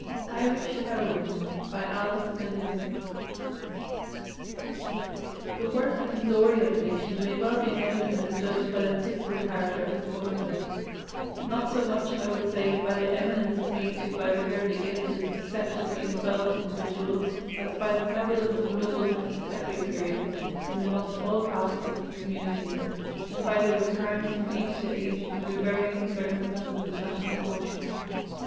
IRISH HEROINES By Alice Milligan The worth and glory of a nation may well be measured and adjudged by the typical character of its womanhood: not so much, I would say, by the eminence attained to by rarely gifted, exceptionally developed individuals, as by the prevalence of noble types at every period, and amongst all classes of the community, and by their recurrence from age to age under varying circumstances of national fortune.